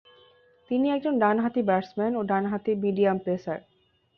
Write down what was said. তিনি একজন ডানহাতি ব্যাটসম্যান ও ডানহাতি মিডিয়াম পেসার।